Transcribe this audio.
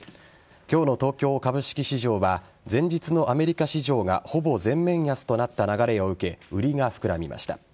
今日の東京株式市場は前日のアメリカ市場がほぼ全面安となった流れを受け売りが膨らみました。